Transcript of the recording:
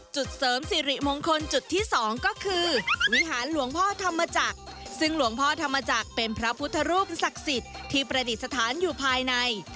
เสริมสิริมงคลจุดที่สองก็คือวิหารหลวงพ่อธรรมจักรซึ่งหลวงพ่อธรรมจักรเป็นพระพุทธรูปศักดิ์สิทธิ์ที่ประดิษฐานอยู่ภายใน